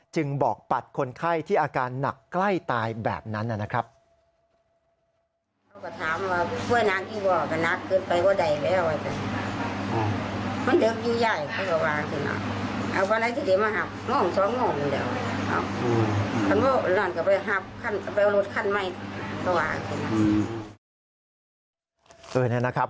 จึงบอกปัดคนไข้ที่อาการหนักใกล้ตายแบบนั้นนะครับ